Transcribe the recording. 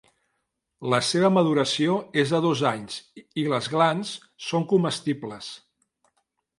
La seva maduració és de dos anys i les glans són comestibles.